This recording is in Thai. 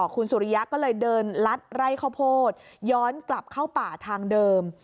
คุณสุริยะก็เลยเดินลัดไร่ข้าวโพดย้อนกลับเข้าป่าทางเดิม